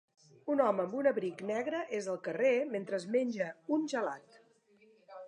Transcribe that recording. Un home amb un abric negre és al carrer mentre es menja un gelat